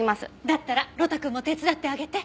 だったら呂太くんも手伝ってあげて。